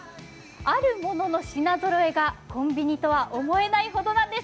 あるものの品ぞろえがコンビニとは思えないほどなんです。